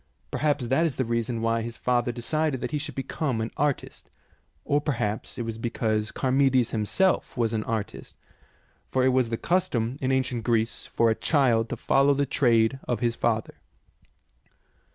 Perhaps that is the reason why his father decided that he should become an artist, or perhaps it was be cause Charmides himself was an artist, for it was the custom in ancient Greece for a child to follow the trade of his father.